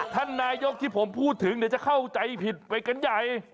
ท่านนายกที่ผมพูดถึงเดี๋ยวจะเข้าใจผิดไปกันใหญ่